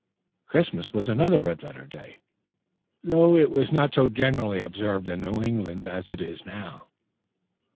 Christmas was another red letter day, though it was not so generally observed in New England as it is now.